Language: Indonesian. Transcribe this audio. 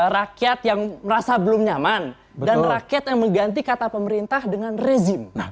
rakyat yang merasa belum nyamanardan rakyatnya mengganti kata pemerintah dengan rezim nah